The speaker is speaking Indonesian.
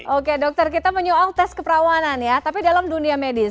oke dokter kita menyoal tes keperawanan ya tapi dalam dunia medis